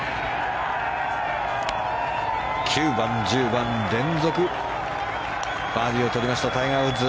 ９番、１０番連続バーディーをとりましたタイガー・ウッズ。